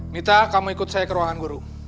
minta kamu ikut saya ke ruangan guru